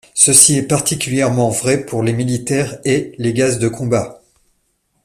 Ceci est particulièrement vrai pour les militaires et les gaz de combat.